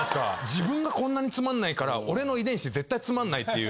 自分がこんなにつまんないから俺の遺伝子絶対つまんないっていう。